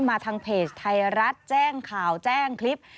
มาทางเพจไทยรัฐแจ้งข่าวแจ้งคลิป